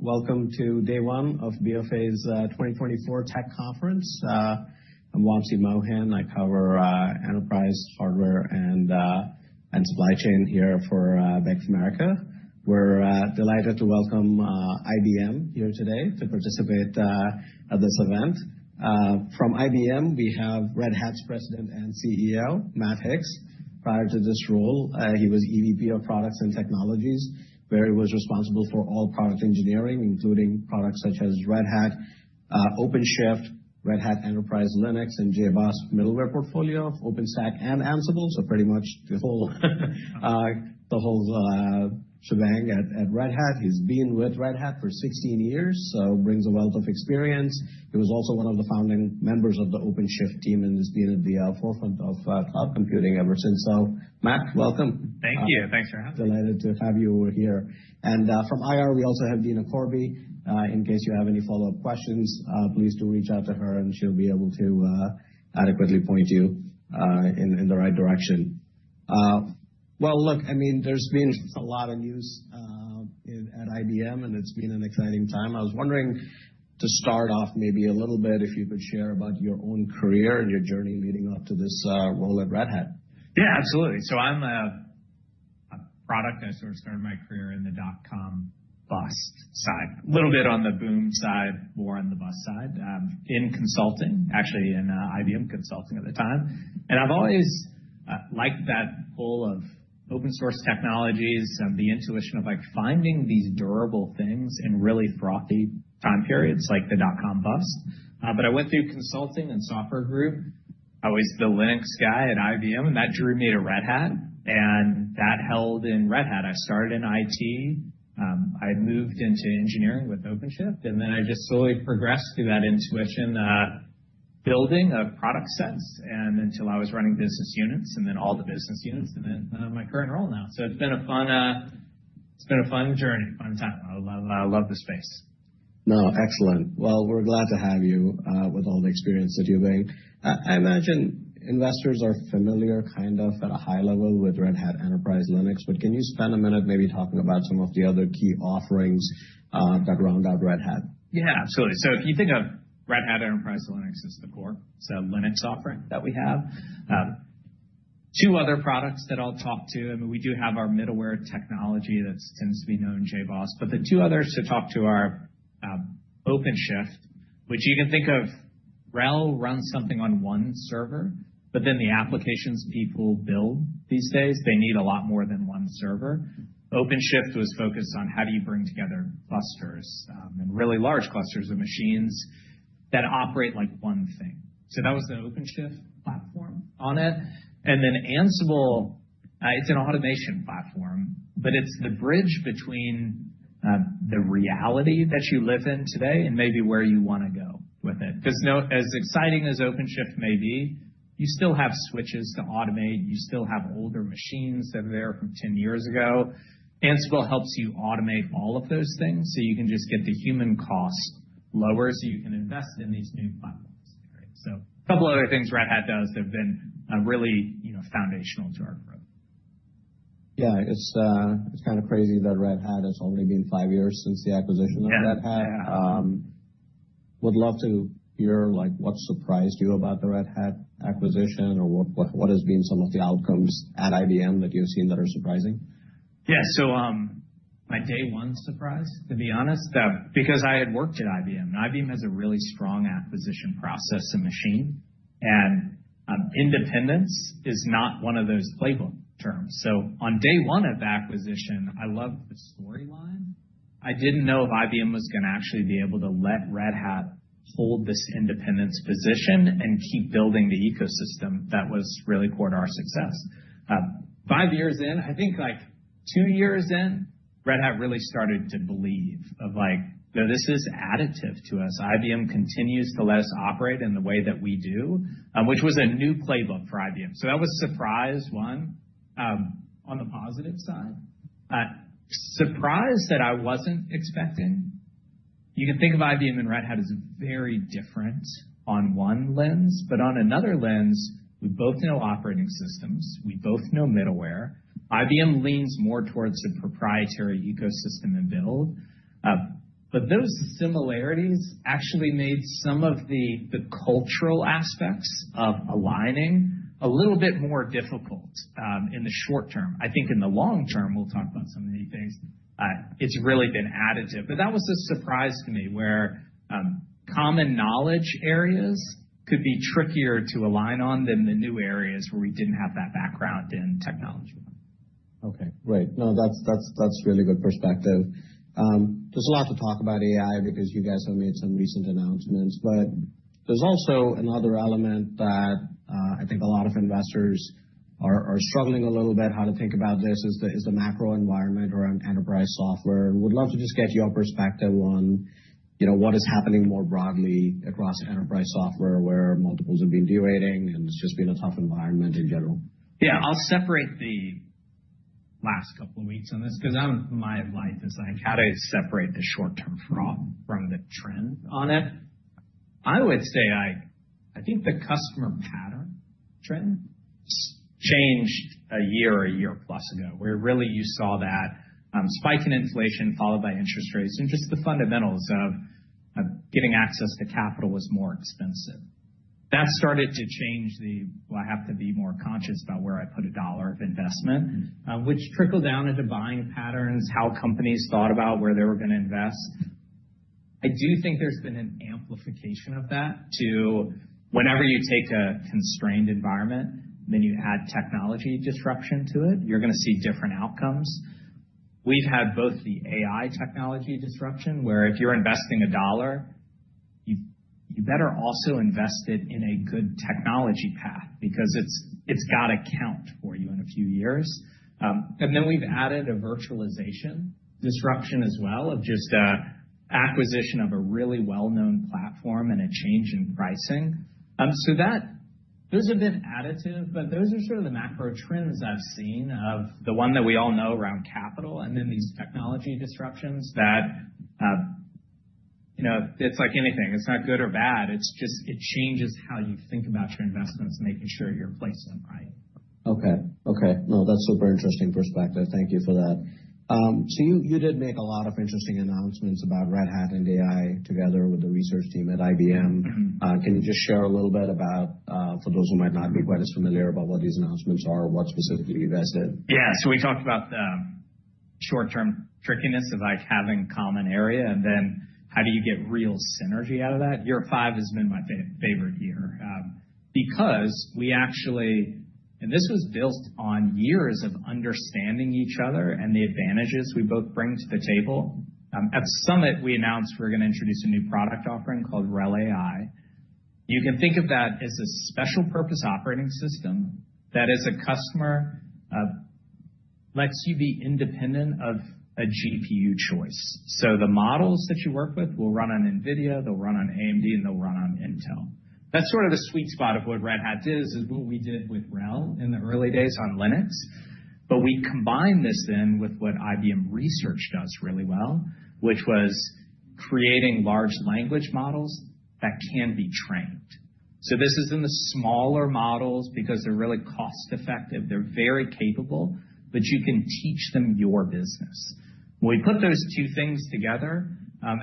Welcome to day one of BofA's 2024 Tech Conference. I'm Wamsi Mohan. I cover enterprise hardware and supply chain here for Bank of America. We're delighted to welcome IBM here today to participate at this event. From IBM, we have Red Hat's President and CEO, Matt Hicks. Prior to this role, he was EVP of Products and Technologies, where he was responsible for all product engineering, including products such as Red Hat OpenShift, Red Hat Enterprise Linux, and JBoss Middleware portfolio, OpenStack and Ansible. Pretty much the whole shebang at Red Hat. He's been with Red Hat for 16 years, so brings a wealth of experience. He was also one of the founding members of the OpenShift team and has been at the forefront of cloud computing ever since. Matt, welcome. Thank you. Thanks for having me. Delighted to have you here. From IR, we also have Dina Corbi. In case you have any follow-up questions, please do reach out to her and she'll be able to adequately point you in the right direction. Look, there's been a lot of news at IBM, and it's been an exciting time. I was wondering, to start off maybe a little bit, if you could share about your own career and your journey leading up to this role at Red Hat. Absolutely. So I'm a product. I sort of started my career in the dot-com bust side. A little bit on the boom side, more on the bust side, in consulting, actually in IBM Consulting at the time. But I've always liked that pull of open source technologies and the intuition of finding these durable things in really frothy time periods like the dot-com bust. I went through consulting and software group. I was the Linux guy at IBM, and that drew me to Red Hat, and that held in Red Hat. I started in IT. I moved into engineering with OpenShift, and then I just slowly progressed through that intuition, that building of product sets, until I was running business units, all the business units, my current role now. It's been a fun journey, fun time. I love the space. Excellent. Well, we're glad to have you with all the experience that you bring. I imagine investors are familiar, kind of at a high level, with Red Hat Enterprise Linux. Can you spend a minute maybe talking about some of the other key offerings that round out Red Hat? Absolutely. If you think of Red Hat Enterprise Linux as the core Linux offering that we have. Two other products that I'll talk to, I mean, we do have our middleware technology that tends to be known, JBoss. The two others to talk to are OpenShift, which you can think of RHEL runs something on one server, but then the applications people build these days, they need a lot more than one server. OpenShift was focused on how do you bring together clusters and really large clusters of machines that operate like one thing. That was the OpenShift platform on it. Ansible, it's an automation platform, but it's the bridge between the reality that you live in today and maybe where you want to go with it. As exciting as OpenShift may be, you still have switches to automate. You still have older machines that are there from 10 years ago. Ansible helps you automate all of those things so you can just get the human cost lower, so you can invest in these new platforms. A couple of other things Red Hat does have been really foundational to our growth. It's kind of crazy that Red Hat has only been five years since the acquisition of Red Hat. Yeah. Would love to hear what surprised you about the Red Hat acquisition or what has been some of the outcomes at IBM that you've seen that are surprising? My day one surprise, to be honest, because I had worked at IBM and IBM has a really strong acquisition process and machine, and independence is not one of those playbook terms. On day one of the acquisition, I loved the storyline. I didn't know if IBM was going to actually be able to let Red Hat hold this independence position and keep building the ecosystem that was really core to our success. Five years in, I think two years in, Red Hat really started to believe of like, "No, this is additive to us. IBM continues to let us operate in the way that we do," which was a new playbook for IBM. That was surprise one, on the positive side. Surprise that I wasn't expecting. You can think of IBM and Red Hat as very different on one lens. On another lens, we both know operating systems. We both know middleware. IBM leans more towards the proprietary ecosystem and build. Those similarities actually made some of the cultural aspects of aligning a little bit more difficult in the short term. I think in the long term, we'll talk about some of the things, it's really been additive, but that was a surprise to me, where common knowledge areas could be trickier to align on than the new areas where we didn't have that background in technology. Okay, great. No, that's really good perspective. There's a lot to talk about AI because you guys have made some recent announcements, but there's also another element that I think a lot of investors are struggling a little bit how to think about this is the macro environment around enterprise software. Would love to just get your perspective on what is happening more broadly across enterprise software, where multiples have been de-rating, and it's just been a tough environment in general. Yeah. I'll separate the last couple of weeks on this because my advice is like, how do I separate the short-term froth from the trend on it? I would say, I think the customer pattern trend changed a year or a year plus ago, where really you saw that spike in inflation followed by interest rates and just the fundamentals of getting access to capital was more expensive. That started to change the, well, I have to be more conscious about where I put a dollar of investment, which trickled down into buying patterns, how companies thought about where they were going to invest. I do think there's been an amplification of that to whenever you take a constrained environment, then you add technology disruption to it, you're going to see different outcomes. We've had both the AI technology disruption, where if you're investing a dollar, you better also invest it in a good technology path because it's got to count for you in a few years. We've added a virtualization disruption as well of just a acquisition of a really well-known platform and a change in pricing. Those have been additive, but those are sort of the macro trends I've seen of the one that we all know around capital and then these technology disruptions that it's like anything, it's not good or bad. It changes how you think about your investments and making sure you're placing them right. Okay. No, that's super interesting perspective. Thank you for that. You did make a lot of interesting announcements about Red Hat and AI together with the research team at IBM. Can you just share a little bit about, for those who might not be quite as familiar about what these announcements are, what specifically you invested? Yeah. We talked about the short-term trickiness of having common area, and then how do you get real synergy out of that? Year five has been my favorite year, because we actually, and this was built on years of understanding each other and the advantages we both bring to the table. At Summit, we announced we're going to introduce a new product offering called RHEL AI. You can think of that as a special purpose operating system that as a customer lets you be independent of a GPU choice. The models that you work with will run on Nvidia, they'll run on AMD, and they'll run on Intel. That's sort of a sweet spot of what Red Hat did, is what we did with RHEL in the early days on Linux. We combine this in with what IBM Research does really well, which was creating large language models that can be trained. This is in the smaller models because they're really cost-effective. They're very capable, but you can teach them your business. When we put those two things together,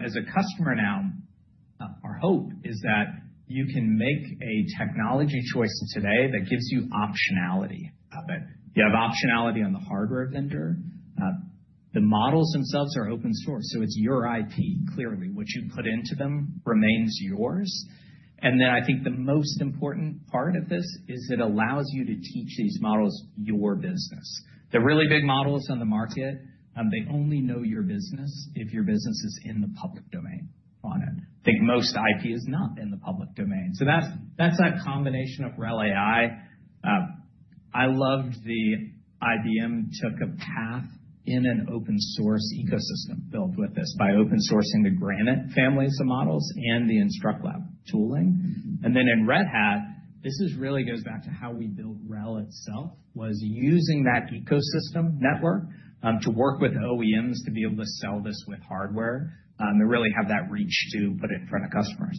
as a customer now, our hope is that you can make a technology choice today that gives you optionality. You have optionality on the hardware vendor. The models themselves are open source, so it's your IP, clearly. What you put into them remains yours. I think the most important part of this is it allows you to teach these models your business. The really big models on the market, they only know your business if your business is in the public domain on it. I think most IP is not in the public domain. That's that combination of RHEL AI. I loved the IBM took a path in an open source ecosystem built with this by open sourcing the Granite families of models and the Instruct Lab tooling. In Red Hat, this really goes back to how we built RHEL itself, was using that ecosystem network to work with OEMs to be able to sell this with hardware, to really have that reach to put it in front of customers.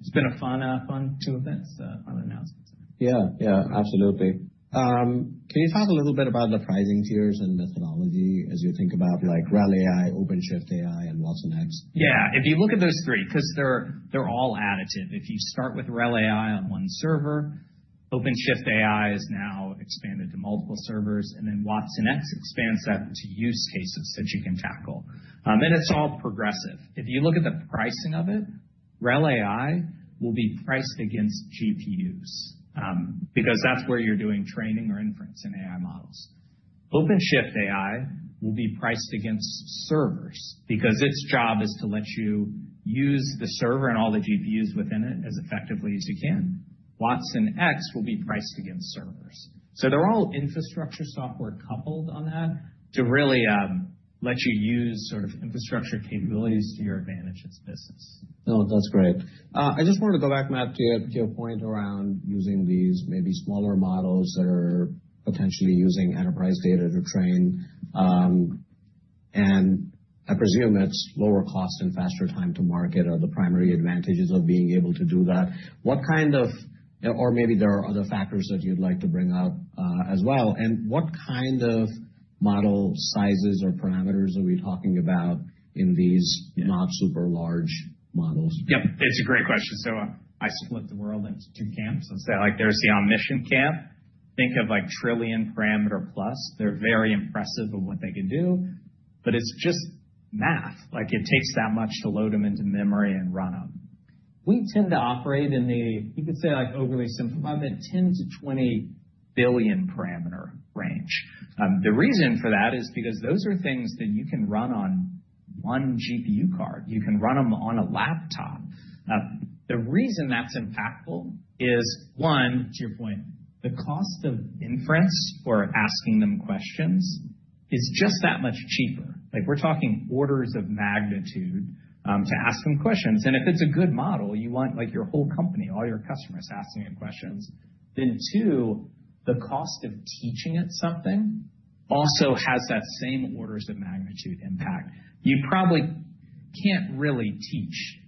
It's been a fun two events on announcements. Yeah. Absolutely. Can you talk a little bit about the pricing tiers and methodology as you think about RHEL AI, OpenShift AI, and watsonx? Yeah. If you look at those three, because they're all additive. If you start with RHEL AI on one server, OpenShift AI is now expanded to multiple servers. watsonx expands that to use cases that you can tackle. It's all progressive. If you look at the pricing of it, RHEL AI will be priced against GPUs, because that's where you're doing training or inference in AI models. OpenShift AI will be priced against servers, because its job is to let you use the server and all the GPUs within it as effectively as you can. watsonx will be priced against servers. They're all infrastructure software coupled on that to really let you use infrastructure capabilities to your advantage as a business. No, that's great. I just wanted to go back, Matt, to your point around using these maybe smaller models that are potentially using enterprise data to train. I presume it's lower cost and faster time to market are the primary advantages of being able to do that. Or maybe there are other factors that you'd like to bring up as well, and what kind of model sizes or parameters are we talking about in these not super large models? Yep, it's a great question. I split the world into two camps. Let's say, there's the omniscient camp. Think of trillion parameter plus. They're very impressive of what they can do, but it's just math. It takes that much to load them into memory and run them. We tend to operate in the, you could say overly simplified, but 10-20 billion parameter range. The reason for that is because those are things that you can run on one GPU card. You can run them on a laptop. The reason that's impactful is one, to your point, the cost of inference for asking them questions is just that much cheaper. We're talking orders of magnitude to ask them questions. If it's a good model, you want your whole company, all your customers asking it questions. Two. The cost of teaching it something also has that same orders of magnitude impact. You probably can't really teach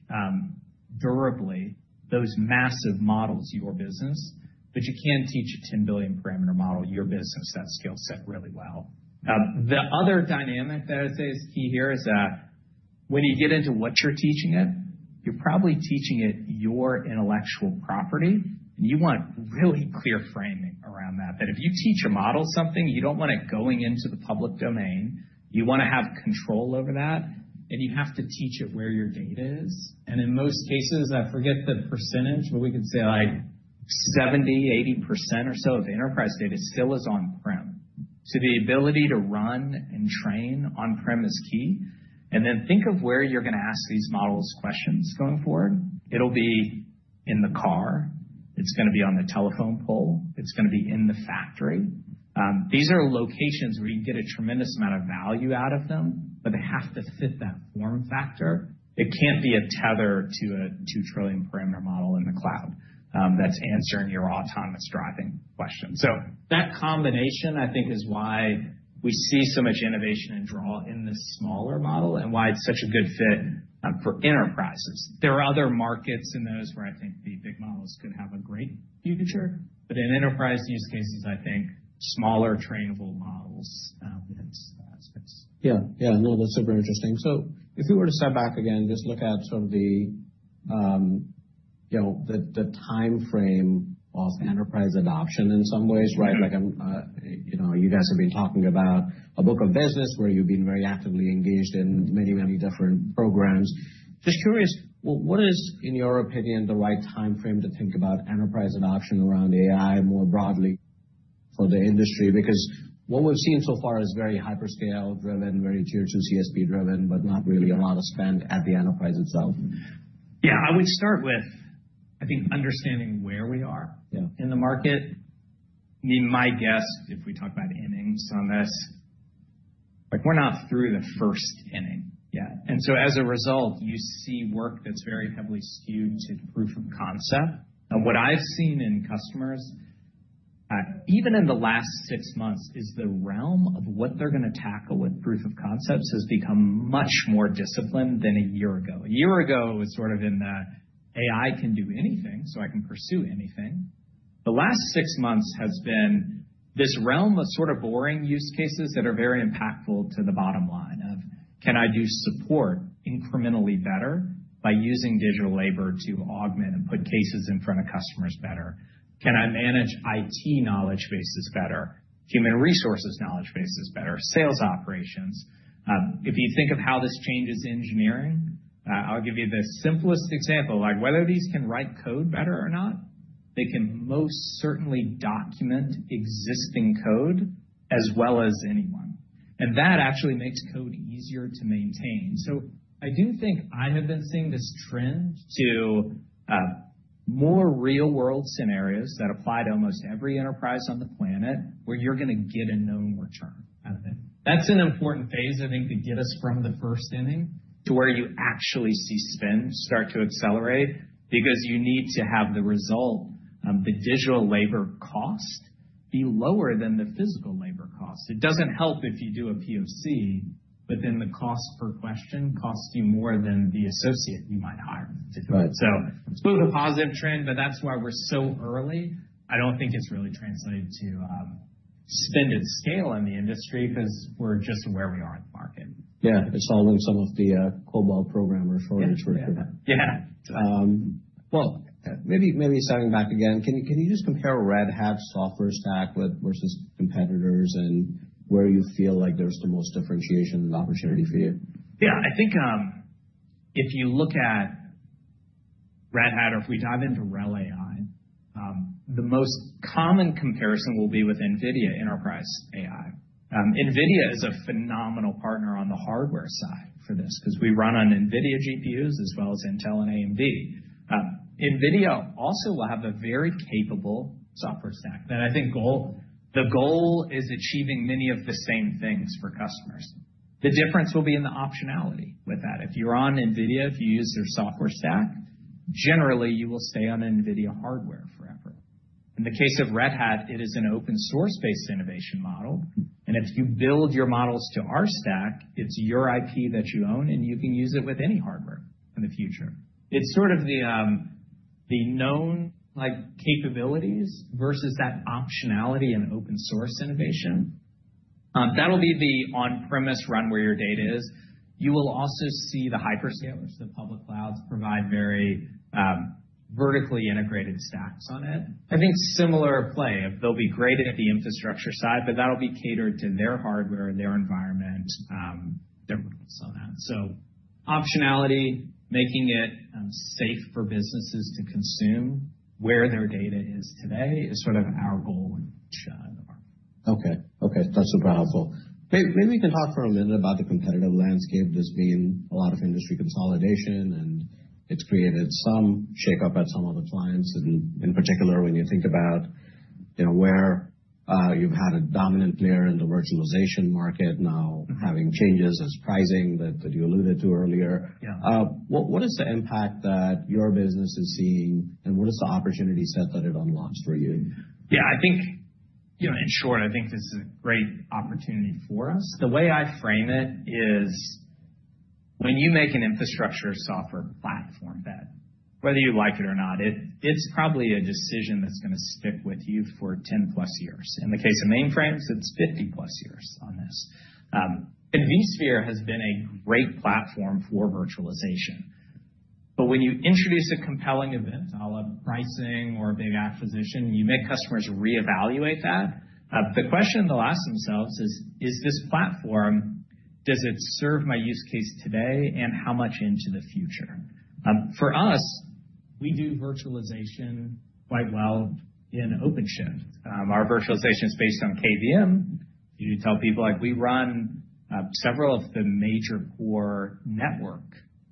durably those massive models your business, but you can teach a 10 billion parameter model your business, that skill set really well. The other dynamic that I'd say is key here is that when you get into what you're teaching it, you're probably teaching it your intellectual property, and you want really clear framing around that. That if you teach a model something, you don't want it going into the public domain. You want to have control over that, and you have to teach it where your data is. In most cases, I forget the percentage, but we could say 70-80% or so of enterprise data still is on-prem. The ability to run and train on-prem is key. Think of where you're going to ask these models questions going forward. It'll be in the car. It's going to be on the telephone pole. It's going to be in the factory. These are locations where you get a tremendous amount of value out of them, but they have to fit that form factor. It can't be a tether to a 2 trillion parameter model in the cloud that's answering your autonomous driving question. That combination, I think, is why we see so much innovation and draw in this smaller model and why it's such a good fit for enterprises. There are other markets in those where I think the big models could have a great future, but in enterprise use cases, I think smaller trainable models in that space. Yeah. No, that's super interesting. If we were to step back again, just look at the time frame of enterprise adoption in some ways, right? You guys have been talking about a book of business where you've been very actively engaged in many different programs. Just curious, what is, in your opinion, the right time frame to think about enterprise adoption around AI more broadly for the industry? What we've seen so far is very hyperscale driven, very tier 2 CSP driven, but not really a lot of spend at the enterprise itself. Yeah. I would start with, I think, understanding where we are. Yeah in the market. My guess, if we talk about innings on this, we're not through the first inning yet. As a result, you see work that's very heavily skewed to proof of concept. What I've seen in customers, even in the last six months, is the realm of what they're going to tackle with proof of concepts has become much more disciplined than a year ago. A year ago, it was sort of in the AI can do anything, so I can pursue anything. The last six months has been this realm of boring use cases that are very impactful to the bottom line of, can I do support incrementally better by using digital labor to augment and put cases in front of customers better? Can I manage IT knowledge bases better, human resources knowledge bases better, sales operations? If you think of how this changes engineering, I'll give you the simplest example. Whether these can write code better or not, they can most certainly document existing code as well as anyone. That actually makes code easier to maintain. I do think I have been seeing this trend to more real world scenarios that apply to almost every enterprise on the planet, where you're going to get a known return out of it. That's an important phase, I think, to get us from the first inning to where you actually see spend start to accelerate, because you need to have the result of the digital labor cost be lower than the physical labor cost. It doesn't help if you do a POC, but then the cost per question costs you more than the associate you might hire to do it. Right. Still a positive trend, but that's why we're so early. I don't think it's really translated to spend at scale in the industry because we're just where we are in the market. Yeah. It's solving some of the COBOL programmer shortage we have. Yeah. Well, maybe stepping back again. Can you just compare Red Hat software stack versus competitors and where you feel like there's the most differentiation and opportunity for you? Yeah, I think if you look at Red Hat or if we dive into RHEL AI, the most common comparison will be with NVIDIA AI Enterprise. Nvidia is a phenomenal partner on the hardware side for this because we run on Nvidia GPUs as well as Intel and AMD. Nvidia also will have a very capable software stack. I think the goal is achieving many of the same things for customers. The difference will be in the optionality with that. If you're on Nvidia, if you use their software stack, generally, you will stay on Nvidia hardware forever. In the case of Red Hat, it is an open source-based innovation model, and if you build your models to our stack, it's your IP that you own, and you can use it with any hardware in the future. It's sort of the known capabilities versus that optionality and open source innovation. That'll be the on-premise run where your data is. You will also see the hyperscalers, the public clouds provide very vertically integrated stacks on it. I think similar play. They'll be great at the infrastructure side, but that'll be catered to their hardware, their environment, their models on that. Optionality, making it safe for businesses to consume where their data is today is sort of our goal in the market. Okay. That's super helpful. Maybe you can talk for a minute about the competitive landscape. There's been a lot of industry consolidation, and it's created some shakeup at some of the clients. In particular, when you think about where You've had a dominant player in the virtualization market now having changes as pricing that you alluded to earlier. Yeah. What is the impact that your business is seeing, and what is the opportunity set that it unlocks for you? Yeah. In short, I think this is a great opportunity for us. The way I frame it is when you make an infrastructure software platform bet, whether you like it or not, it's probably a decision that's going to stick with you for 10-plus years. In the case of mainframes, it's 50-plus years on this. vSphere has been a great platform for virtualization. When you introduce a compelling event a la pricing or a big acquisition, you make customers reevaluate that. The question they'll ask themselves is this platform, does it serve my use case today and how much into the future? For us, we do virtualization quite well in OpenShift. Our virtualization is based on KVM. You tell people we run several of the major core network,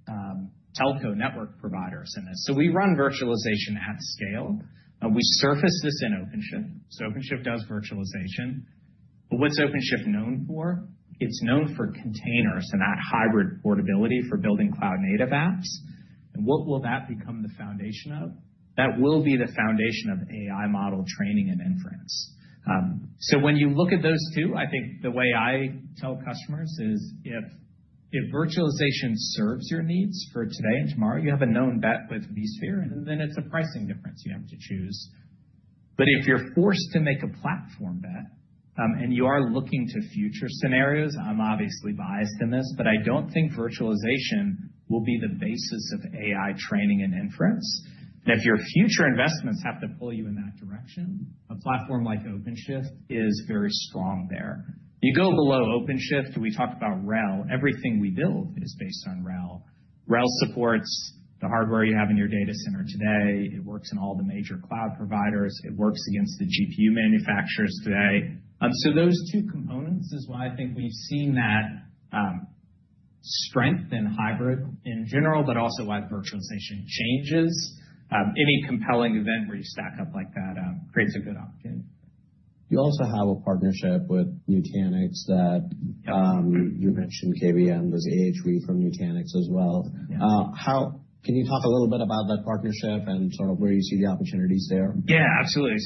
telco network providers in this. We run virtualization at scale, and we surface this in OpenShift. OpenShift does virtualization. What's OpenShift known for? It's known for containers and that hybrid portability for building cloud-native apps. What will that become the foundation of? That will be the foundation of AI model training and inference. When you look at those two, I think the way I tell customers is if virtualization serves your needs for today and tomorrow, you have a known bet with vSphere, and then it's a pricing difference you have to choose. If you're forced to make a platform bet, and you are looking to future scenarios, I'm obviously biased in this, but I don't think virtualization will be the basis of AI training and inference. If your future investments have to pull you in that direction, a platform like OpenShift is very strong there. You go below OpenShift, we talked about RHEL. Everything we build is based on RHEL. RHEL supports the hardware you have in your data center today. It works in all the major cloud providers. It works against the GPU manufacturers today. Those two components is why I think we've seen that strength in hybrid in general, but also why virtualization changes. Any compelling event where you stack up like that creates a good opportunity. You also have a partnership with Nutanix that you mentioned KVM. There is AHV from Nutanix as well. Yeah. Can you talk a little bit about that partnership and sort of where you see the opportunities there? Yeah, absolutely.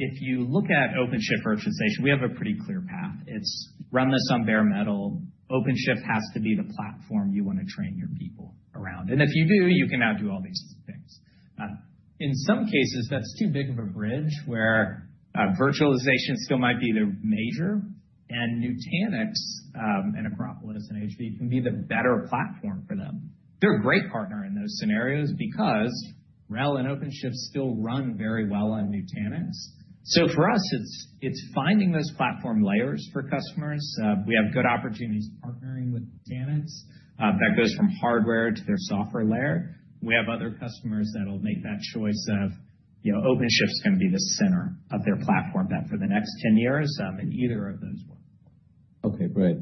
If you look at OpenShift Virtualization, we have a pretty clear path. It is run this on bare metal. OpenShift has to be the platform you want to train your people around. If you do, you can now do all these things. In some cases, that is too big of a bridge where virtualization still might be the major, and Nutanix, and Acropolis, and AHV can be the better platform for them. They are a great partner in those scenarios because RHEL and OpenShift still run very well on Nutanix. For us, it is finding those platform layers for customers. We have good opportunities partnering with Nutanix. That goes from hardware to their software layer. We have other customers that will make that choice of OpenShift is going to be the center of their platform bet for the next 10 years, and either of those work. Okay, great.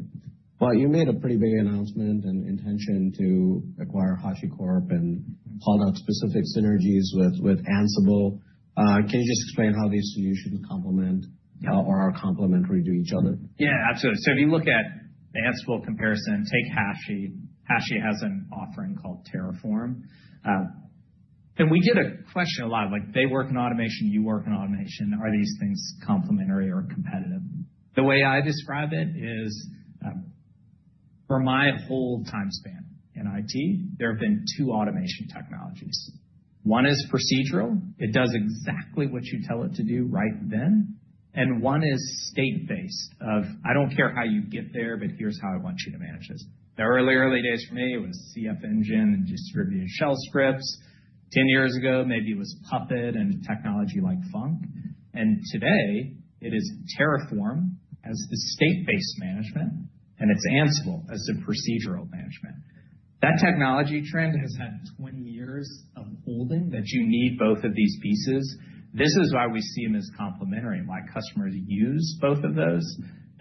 You made a pretty big announcement and intention to acquire HashiCorp and called out specific synergies with Ansible. Can you just explain how these solutions complement or are complementary to each other? Yeah, absolutely. If you look at the Ansible comparison, take Hashi. Hashi has an offering called Terraform. We get a question a lot like, they work in automation, you work in automation. Are these things complementary or competitive? The way I describe it is, for my whole time span in IT, there have been two automation technologies. One is procedural. It does exactly what you tell it to do right then, and one is state-based of, I don't care how you get there, but here's how I want you to manage this. The early days for me, it was CFEngine and distributed shell scripts. 10 years ago, maybe it was Puppet and a technology like Func. Today it is Terraform as the state-based management, and it's Ansible as the procedural management. That technology trend has had 20 years of holding that you need both of these pieces. This is why we see them as complementary and why customers use both of those.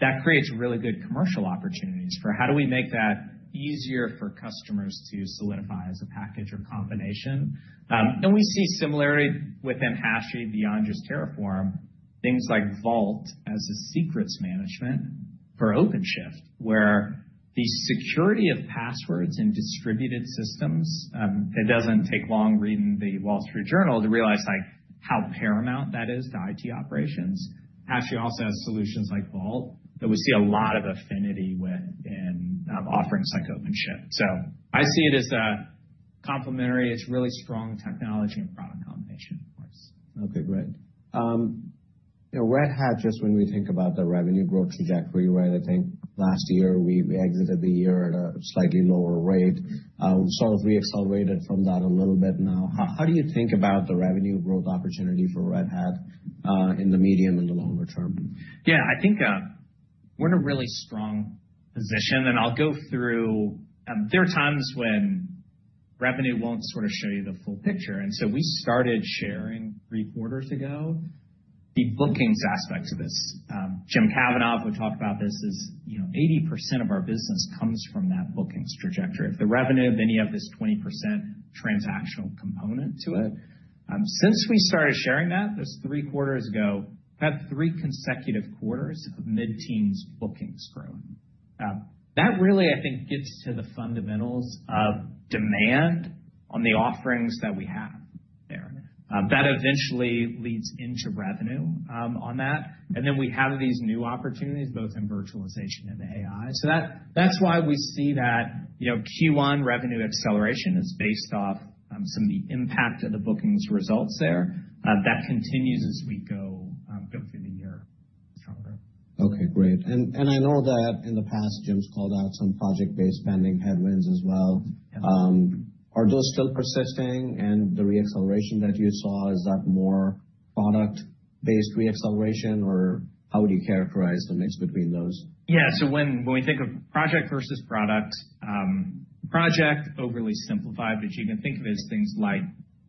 That creates really good commercial opportunities for how do we make that easier for customers to solidify as a package or combination. We see similarity within Hashi beyond just Terraform, things like Vault as a secrets management for OpenShift, where the security of passwords in distributed systems, it doesn't take long reading The Wall Street Journal to realize how paramount that is to IT operations. Hashi also has solutions like Vault that we see a lot of affinity with in offerings like OpenShift. I see it as complementary. It's really strong technology and product combination for us. Okay, great. Red Hat, just when we think about the revenue growth trajectory, I think last year we exited the year at a slightly lower rate. Sort of re-accelerated from that a little bit now. How do you think about the revenue growth opportunity for Red Hat in the medium and the longer term? Yeah, I think we're in a really strong position, and I'll go through. There are times when Revenue won't sort of show you the full picture. So we started sharing three quarters ago the bookings aspect of this. James Kavanaugh would talk about this as 80% of our business comes from that bookings trajectory. If the revenue, then you have this 20% transactional component to it. Since we started sharing that, this was three quarters ago, we've had three consecutive quarters of mid-teens bookings growth. That really, I think, gets to the fundamentals of demand on the offerings that we have there. That eventually leads into revenue on that. Then we have these new opportunities both in virtualization and AI. That's why we see that Q1 revenue acceleration is based off some of the impact of the bookings results there. That continues as we go through the year, Shantanu. Okay, great. I know that in the past, Jim's called out some project-based spending headwinds as well. Yeah. Are those still persisting? The re-acceleration that you saw, is that more product-based re-acceleration, or how would you characterize the mix between those? Yeah. When we think of project versus product, project, overly simplified, but you can think of as things like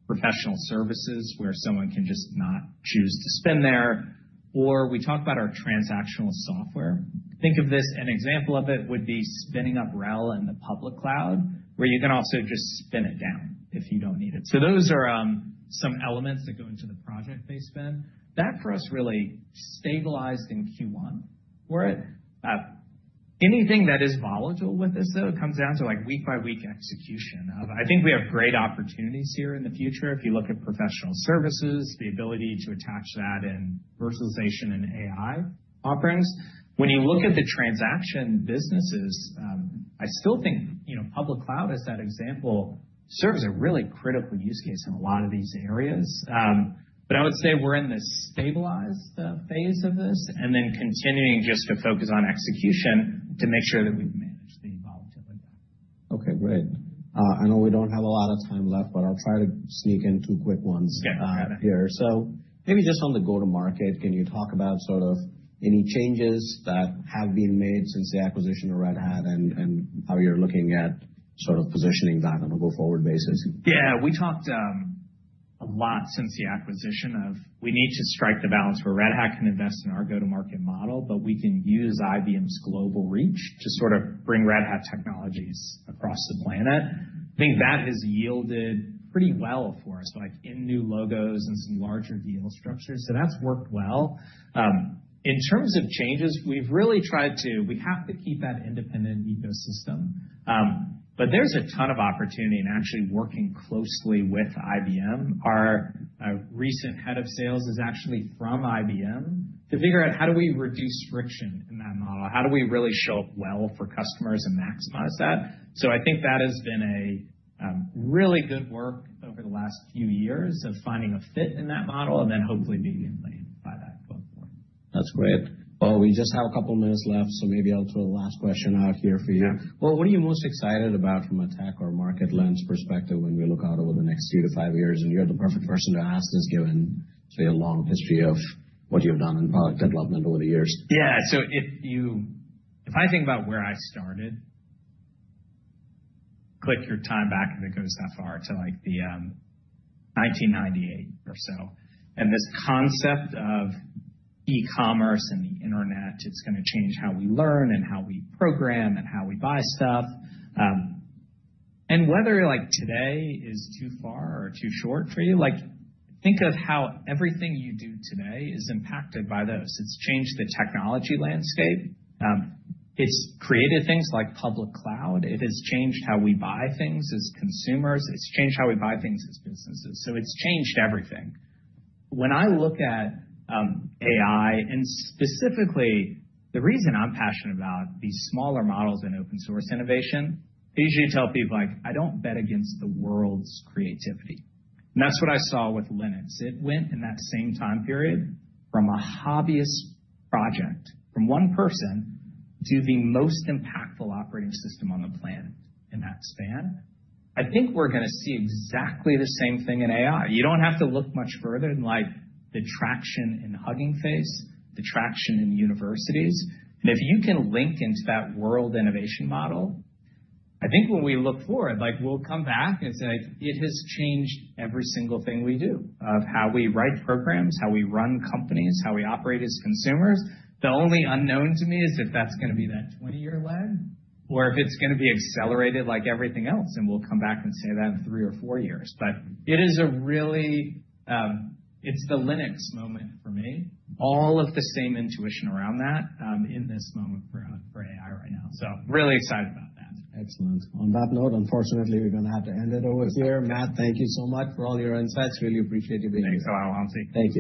professional services where someone can just not choose to spend there, or we talk about our transactional software. Think of this, an example of it would be spinning up RHEL in the public cloud, where you can also just spin it down if you don't need it. Those are some elements that go into the project-based spend. That, for us, really stabilized in Q1. Anything that is volatile with this, though, comes down to week-by-week execution of I think we have great opportunities here in the future. If you look at professional services, the ability to attach that in virtualization and AI offerings. When you look at the transaction businesses, I still think public cloud, as that example, serves a really critical use case in a lot of these areas. I would say we're in the stabilized phase of this, and then continuing just to focus on execution to make sure that we manage the volatility there. Okay, great. I know we don't have a lot of time left, I'll try to sneak in two quick ones. Yeah. Here. Maybe just on the go-to-market, can you talk about any changes that have been made since the acquisition of Red Hat and how you're looking at positioning that on a go-forward basis? Yeah. We talked a lot since the acquisition. We need to strike the balance where Red Hat can invest in our go-to-market model, but we can use IBM's global reach to sort of bring Red Hat technologies across the planet. I think that has yielded pretty well for us, like in new logos and some larger deal structures. That's worked well. In terms of changes, we have to keep that independent ecosystem. There's a ton of opportunity in actually working closely with IBM. Our recent head of sales is actually from IBM to figure out how do we reduce friction in that model? How do we really show up well for customers and maximize that? I think that has been a really good work over the last few years of finding a fit in that model and then hopefully being enhanced by that going forward. That's great. We just have a couple minutes left, so maybe I'll throw the last question out here for you. Yeah. What are you most excited about from a tech or market lens perspective when we look out over the next 2-5 years? You're the perfect person to ask this given your long history of what you have done in product development over the years. If I think about where I started, click your time back, if it goes that far, to 1998 or so, this concept of e-commerce and the internet, it's going to change how we learn and how we program and how we buy stuff. Whether today is too far or too short for you, think of how everything you do today is impacted by this. It's changed the technology landscape. It's created things like public cloud. It has changed how we buy things as consumers. It's changed how we buy things as businesses. It's changed everything. When I look at AI, specifically, the reason I'm passionate about these smaller models in open source innovation, I usually tell people, "I don't bet against the world's creativity." That's what I saw with Linux. It went in that same time period from a hobbyist project from one person to the most impactful operating system on the planet in that span. I think we're going to see exactly the same thing in AI. You don't have to look much further than the traction in Hugging Face, the traction in universities. If you can link into that world innovation model, I think when we look forward, we'll come back and say it has changed every single thing we do, of how we write programs, how we run companies, how we operate as consumers. The only unknown to me is if that's going to be that 20-year lag or if it's going to be accelerated like everything else, and we'll come back and say that in three or four years. It's the Linux moment for me. All of the same intuition around that in this moment for AI right now. Really excited about that. Excellent. On that note, unfortunately, we're going to have to end it over here. Matt, thank you so much for all your insights. Really appreciate you being here. Thanks a lot, Shantanu. Thank you.